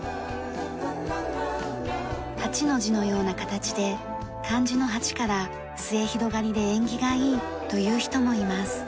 ８の字のような形で漢字の「八」から末広がりで縁起がいいと言う人もいます。